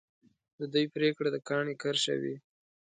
د دوی پرېکړه د کاڼي کرښه وي.